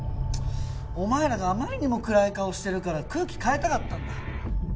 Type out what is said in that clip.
お前らがあまりにも暗い顔してるから空気変えたかったんだ。